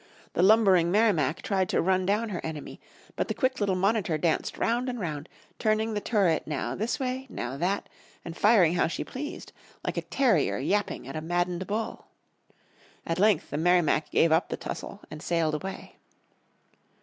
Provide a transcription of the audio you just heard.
The lumbering Merrimac tried to run down her enemy, but the quick little Monitor danced round and round, turning the turret now this way, now that, and firing how she pleased, like a terrier yapping at a maddened bull. And at length the Merrimac gave up the tussle, and sailed away.